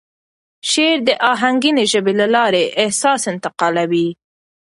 شعر د آهنګینې ژبې له لارې احساس انتقالوي.